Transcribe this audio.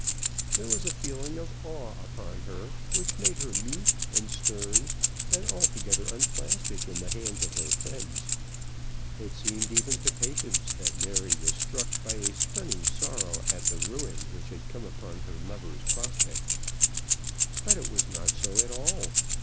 There was a feeling of awe upon her which made her mute, and stern, and altogether unplastic in the hands of her friends. It seemed even to Patience that Mary was struck by a stunning sorrow at the ruin which had come upon her lover's prospects. But it was not so at all.